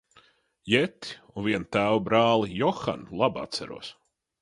Jetti un vienu tēva brāli Johanu labi atceros.